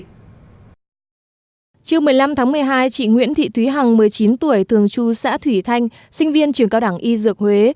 chiều một mươi năm tháng một mươi hai chị nguyễn thị thúy hằng một mươi chín tuổi thường chú xã thủy thanh sinh viên trường cao đẳng y dược huế